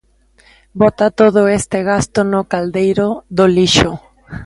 Bota todo este gasto no caldeiro do lixo